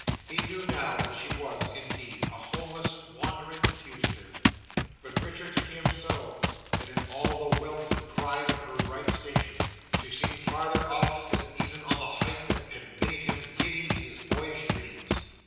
He knew now that she was, indeed, a homeless wandering fugitive; but, richer to him so, than in all the wealth and pride of her right station, she seemed farther off than even on the height that had made him giddy in his boyish dreams.